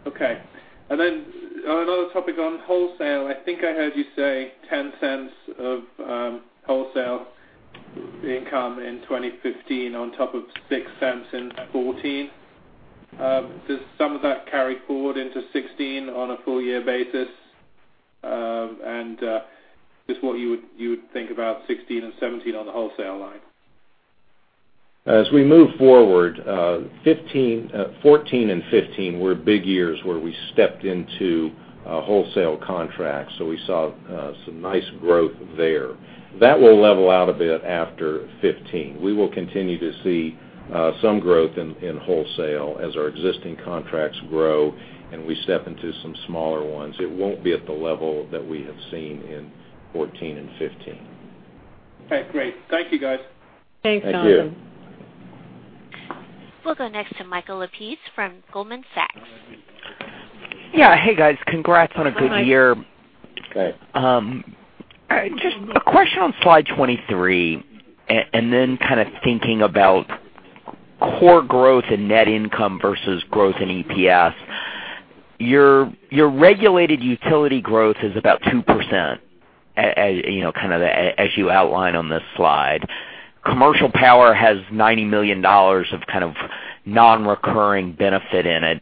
S6: Okay. Another topic on wholesale. I think I heard you say $0.10 of wholesale income in 2015 on top of $0.06 in 2014. Does some of that carry forward into 2016 on a full year basis? Just what you would think about 2016 and 2017 on the wholesale line.
S4: As we move forward, 2014 and 2015 were big years where we stepped into a wholesale contract, so we saw some nice growth there. That will level out a bit after 2015. We will continue to see some growth in wholesale as our existing contracts grow, and we step into some smaller ones. It won't be at the level that we have seen in 2014 and 2015.
S6: Okay, great. Thank you, guys.
S3: Thanks, Jonathan.
S4: Thank you.
S1: We'll go next to Michael Lapides from Goldman Sachs.
S10: Yeah. Hey, guys. Congrats on a good year.
S3: Hi.
S4: Good.
S10: Just a question on slide 23, and then kind of thinking about core growth and net income versus growth in EPS. Your regulated utility growth is about 2% as you outline on this slide. Commercial power has $90 million of kind of non-recurring benefit in it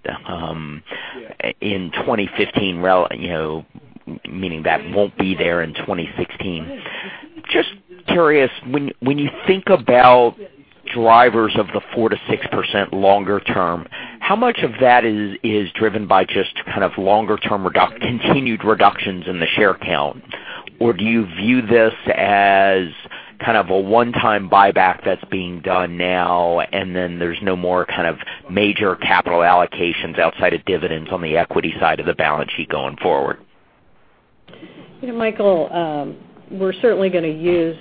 S10: in 2015, meaning that won't be there in 2016. Just curious, when you think about drivers of the 4%-6% longer term, how much of that is driven by just kind of longer term continued reductions in the share count? Do you view this as kind of a one-time buyback that's being done now, and then there's no more kind of major capital allocations outside of dividends on the equity side of the balance sheet going forward?
S3: Michael, we're certainly going to use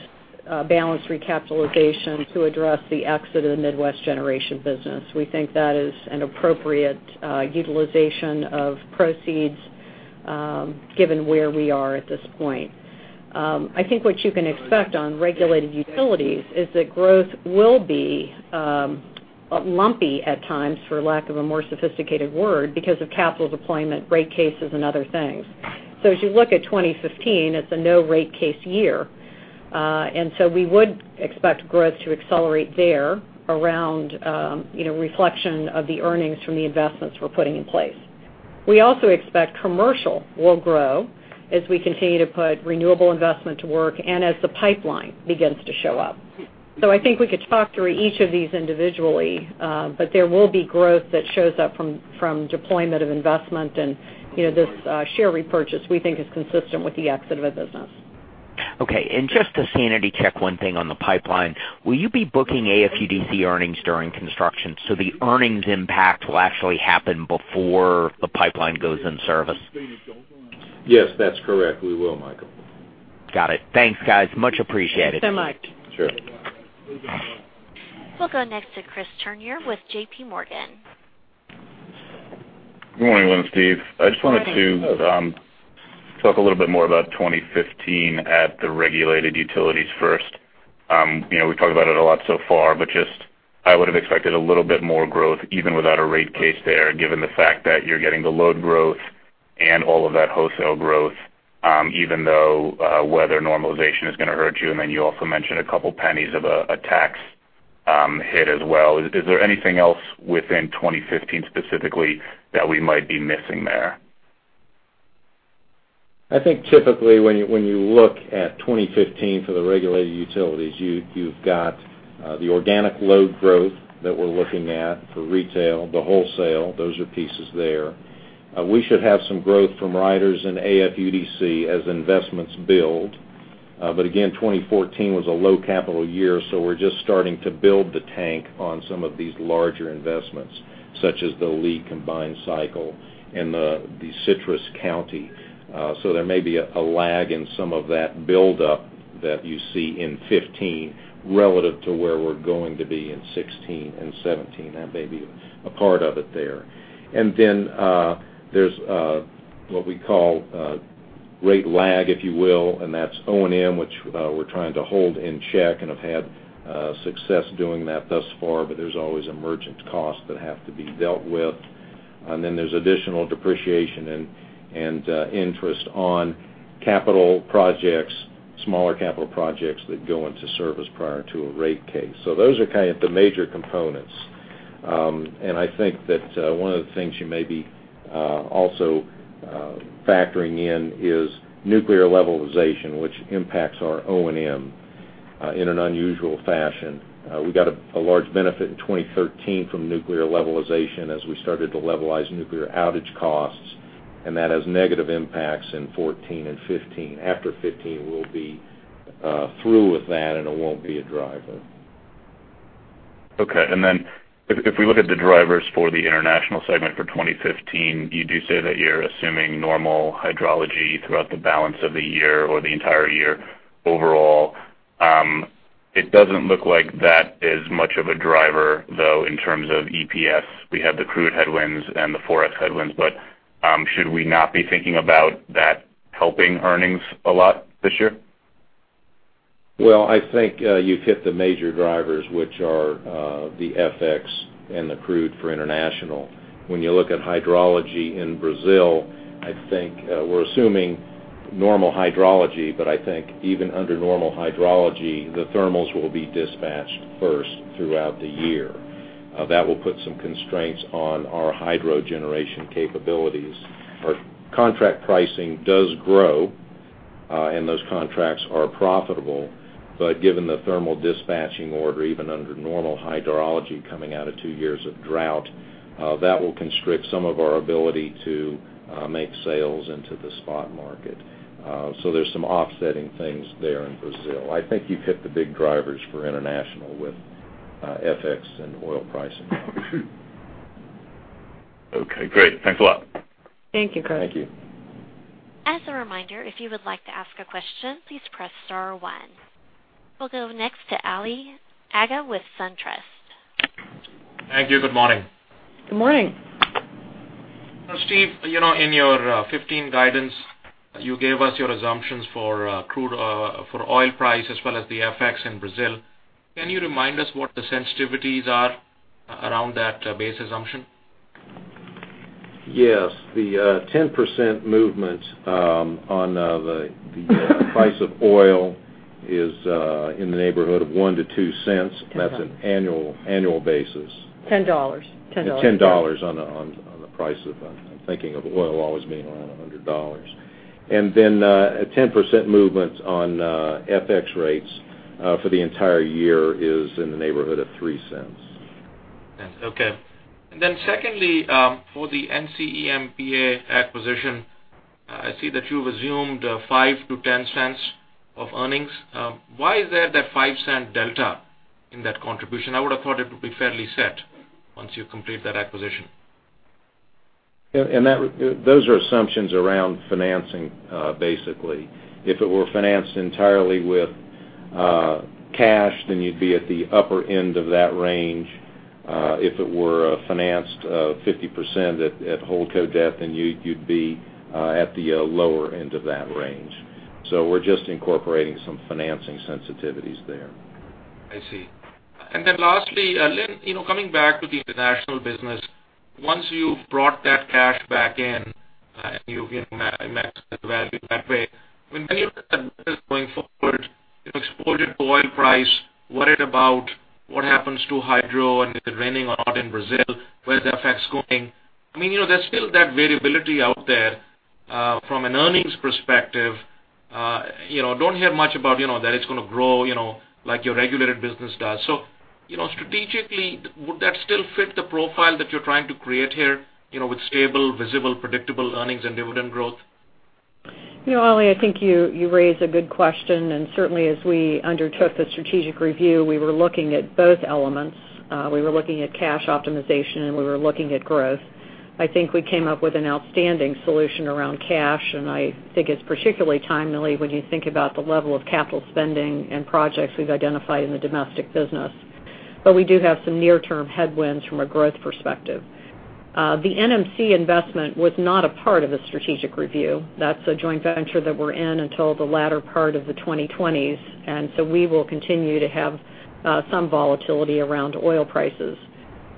S3: balance recapitalization to address the exit of the Midwest Generation business. We think that is an appropriate utilization of proceeds given where we are at this point. I think what you can expect on regulated utilities is that growth will be lumpy at times, for lack of a more sophisticated word, because of capital deployment, rate cases, and other things. As you look at 2015, it's a no-rate case year. We would expect growth to accelerate there around reflection of the earnings from the investments we're putting in place. We also expect commercial will grow as we continue to put renewable investment to work, and as the pipeline begins to show up. I think we could talk through each of these individually, but there will be growth that shows up from deployment of investment, and this share repurchase, we think is consistent with the exit of a business.
S10: Okay. Just to sanity check one thing on the pipeline, will you be booking AFUDC earnings during construction so the earnings impact will actually happen before the pipeline goes in service?
S4: Yes, that's correct. We will, Michael.
S10: Got it. Thanks, guys. Much appreciated.
S3: Thanks so much.
S4: Sure.
S1: We'll go next to Chris Turnure with JPMorgan.
S11: Good morning, Lynn, Steve.
S3: Morning.
S4: Hello.
S11: I just wanted to talk a little bit more about 2015 at the regulated utilities first. We've talked about it a lot so far, just I would've expected a little bit more growth even without a rate case there, given the fact that you're getting the load growth and all of that wholesale growth, even though weather normalization is going to hurt you, and then you also mentioned a couple pennies of a tax hit as well. Is there anything else within 2015 specifically that we might be missing there?
S4: I think typically when you look at 2015 for the regulated utilities, you've got the organic load growth that we're looking at for retail, the wholesale. Those are pieces there. We should have some growth from riders in AFUDC as investments build. Again, 2014 was a low capital year, so we're just starting to build the tank on some of these larger investments, such as the Lee combined cycle and the Citrus County. There may be a lag in some of that buildup that you see in 2015 relative to where we're going to be in 2016 and 2017. That may be a part of it there. Then, there's what we call a rate lag, if you will, and that's O&M, which we're trying to hold in check and have had success doing that thus far, but there's always emergent costs that have to be dealt with. Then there's additional depreciation and interest on capital projects, smaller capital projects that go into service prior to a rate case. Those are kind of the major components. I think that one of the things you may be also factoring in is nuclear levelization, which impacts our O&M in an unusual fashion. We got a large benefit in 2013 from nuclear levelization as we started to levelize nuclear outage costs, and that has negative impacts in 2014 and 2015. After 2015, we'll be through with that, and it won't be a driver.
S11: Okay. Then if we look at the drivers for the international segment for 2015, you do say that you're assuming normal hydrology throughout the balance of the year or the entire year overall. It doesn't look like that is much of a driver, though, in terms of EPS. We have the crude headwinds and the forex headwinds, should we not be thinking about that helping earnings a lot this year?
S4: I think you've hit the major drivers, which are the FX and the crude for international. When you look at hydrology in Brazil, I think we're assuming normal hydrology, but I think even under normal hydrology, the thermals will be dispatched first throughout the year. That will put some constraints on our hydro generation capabilities. Our contract pricing does grow, and those contracts are profitable, but given the thermal dispatching order, even under normal hydrology coming out of two years of drought, that will constrict some of our ability to make sales into the spot market. There's some offsetting things there in Brazil. I think you've hit the big drivers for international with FX and oil pricing.
S11: Okay, great. Thanks a lot.
S3: Thank you, Chris.
S4: Thank you.
S1: As a reminder, if you would like to ask a question, please press star one. We will go next to Ali Agha with SunTrust.
S12: Thank you. Good morning.
S3: Good morning.
S12: Steve, in your 2015 guidance, you gave us your assumptions for oil price as well as the FX in Brazil. Can you remind us what the sensitivities are around that base assumption?
S4: Yes. The 10% movement on the price of oil is in the neighborhood of $0.01-$0.02. That's an annual basis.
S3: $10.
S4: $10 on the price of I'm thinking of oil always being around $100. A 10% movement on FX rates for the entire year is in the neighborhood of $0.03.
S12: Okay. Secondly, for the NCEMPA acquisition, I see that you've assumed $0.05-$0.10 of earnings. Why is there that $0.05 delta in that contribution? I would have thought it would be fairly set once you complete that acquisition.
S4: Those are assumptions around financing, basically. If it were financed entirely with cash, you'd be at the upper end of that range. If it were financed 50% at holdco debt, you'd be at the lower end of that range. We're just incorporating some financing sensitivities there.
S12: I see. Lastly, Lynn, coming back to the international business, once you've brought that cash back in, you maximize the value that way.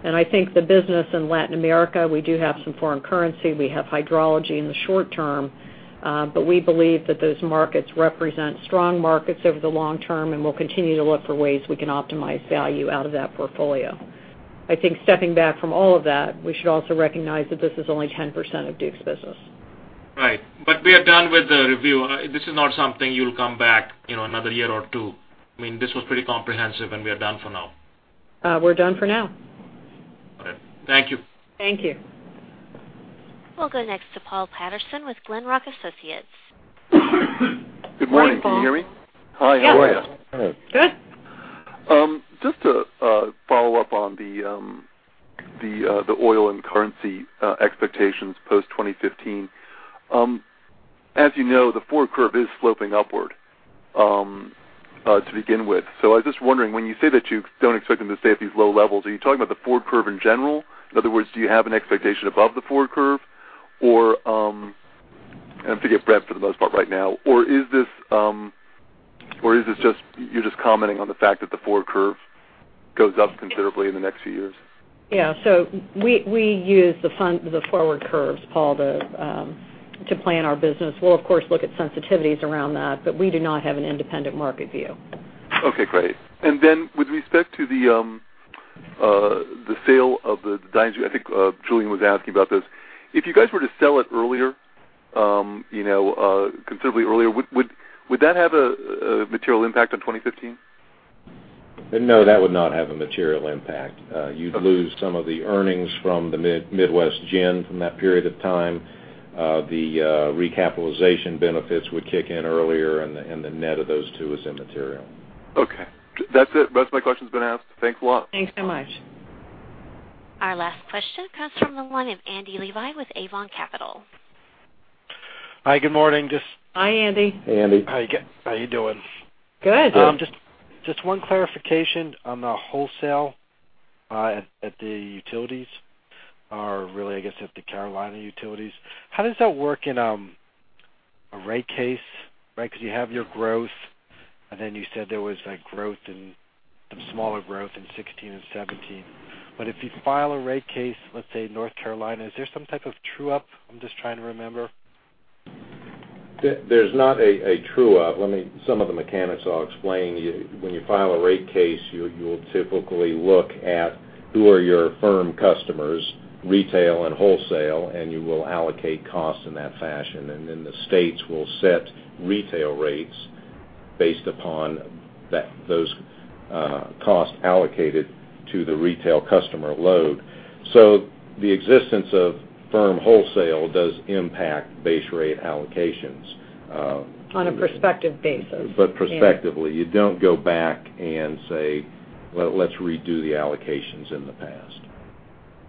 S3: Right. We are done with the review. This is not something you'll come back in another year or two. This was pretty comprehensive, we are done for now. We're done for now.
S12: All right. Thank you.
S3: Thank you.
S1: We'll go next to Paul Patterson with Glenrock Associates.
S3: Morning, Paul.
S13: Good morning. Can you hear me?
S3: Yes.
S13: Hi, how are you?
S3: Good.
S13: Just to follow up on the oil and currency expectations post-2015. As you know, the forward curve is sloping upward to begin with. I was just wondering, when you say that you don't expect them to stay at these low levels, are you talking about the forward curve in general? In other words, do you have an expectation above the forward curve, or, I'm thinking of Brent for the most part right now, or you're just commenting on the fact that the forward curve goes up considerably in the next few years?
S3: Yeah. We use the forward curves, Paul, to plan our business. We'll, of course, look at sensitivities around that, we do not have an independent market view.
S13: Okay, great. With respect to the sale of the Dynegy, I think Julien was asking about this. If you guys were to sell it considerably earlier, would that have a material impact on 2015?
S4: No, that would not have a material impact. You'd lose some of the earnings from the Midwest Gen from that period of time. The recapitalization benefits would kick in earlier, the net of those two is immaterial.
S13: Okay. That's it. Most of my questions have been asked. Thanks a lot.
S3: Thanks so much.
S1: Our last question comes from the one and Andrew Levi with Avon Capital.
S14: Hi, good morning.
S3: Hi, Andy.
S4: Hey, Andy.
S14: How you doing?
S3: Good.
S14: Just one clarification on the wholesale at the utilities Are really, I guess, at the Carolina utilities. How does that work in a rate case, right? You have your growth, you said there was growth and some smaller growth in 2016 and 2017. If you file a rate case, let's say, North Carolina, is there some type of true-up? I'm just trying to remember.
S4: There's not a true-up. Some of the mechanics I'll explain. When you file a rate case, you will typically look at who are your firm customers, retail and wholesale, and you will allocate costs in that fashion. The states will set retail rates based upon those costs allocated to the retail customer load. The existence of firm wholesale does impact base rate allocations.
S3: On a prospective basis.
S4: Prospectively, you don't go back and say, "Well, let's redo the allocations in the past.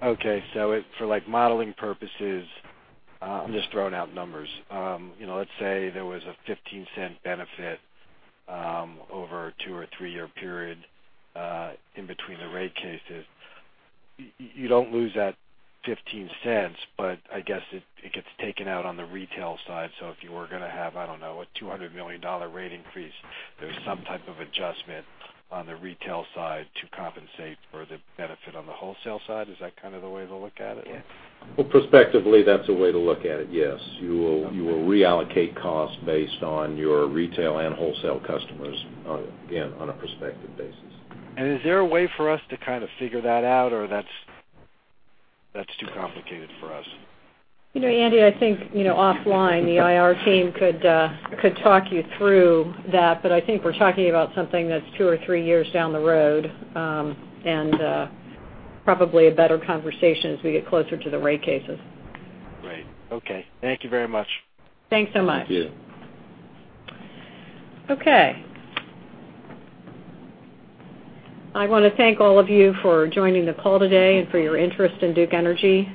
S14: Okay. For modeling purposes, I'm just throwing out numbers. Let's say there was a $0.15 benefit over a two- or three-year period, in between the rate cases. You don't lose that $0.15, I guess it gets taken out on the retail side. If you were going to have, I don't know, a $200 million rate increase, there's some type of adjustment on the retail side to compensate for the benefit on the wholesale side. Is that kind of the way to look at it? Yes.
S4: Well, prospectively, that's a way to look at it, yes. You will reallocate costs based on your retail and wholesale customers, again, on a prospective basis.
S14: Is there a way for us to kind of figure that out, or that's too complicated for us?
S3: Andy, I think, offline, the IR team could talk you through that. I think we're talking about something that's two or three years down the road, and probably a better conversation as we get closer to the rate cases.
S14: Right. Okay. Thank you very much.
S3: Thanks so much.
S4: Thank you.
S3: Okay. I want to thank all of you for joining the call today and for your interest in Duke Energy.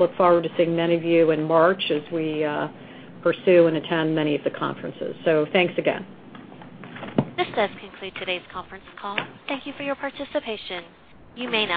S3: Look forward to seeing many of you in March as we pursue and attend many of the conferences. Thanks again.
S1: This does conclude today's conference call. Thank you for your participation. You may now disconnect.